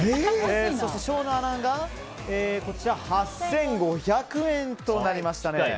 そして生野アナが８５００円となりましたね。